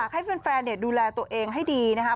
ให้แฟนดูแลตัวเองให้ดีนะครับ